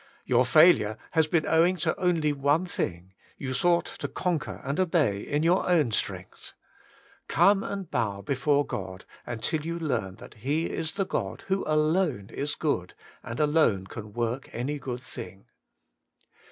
Your failure has been owing to only one thing : you sought to conquer and obey in your own strength. Come and bow before God until you learn that He is the God who alone is good, and alone can work any good thing.